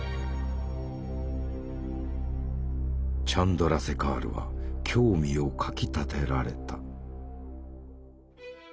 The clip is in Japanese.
チャンドラセカールは興味をかきたてられた。